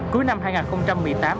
cuối năm hai nghìn một mươi tám